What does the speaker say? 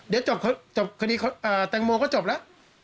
เดี๋ยวจบคดีแตงโมก็จบแล้ว